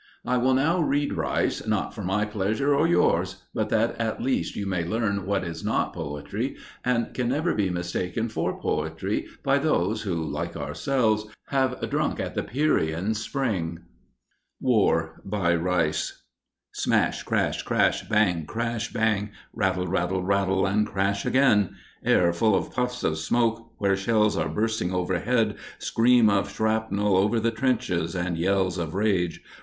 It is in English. I will now read Rice, not for my pleasure or yours, but that at least you may learn what is not poetry, and can never be mistaken for poetry by those who, like ourselves, have drunk at the Pierian spring." WAR BY RICE Smash! Crash! Crash! Bang! Crash! Bang! Rattle, rattle, rattle, and crash again. Air full of puffs of smoke where shells are bursting overhead, Scream of shrapnel over the trenches and yells of rage!